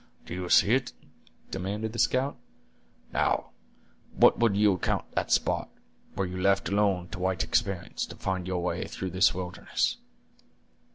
"Do you see it?" demanded the scout. "Now, what would you account that spot, were you left alone to white experience to find your way through this wilderness?"